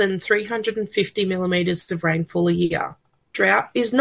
yang biasanya memiliki kondisi hujan yang lebih dari tiga ratus lima puluh mm per tahun